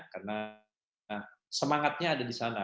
karena semangatnya ada di sana